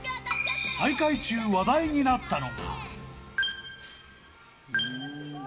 大会中話題になったのが。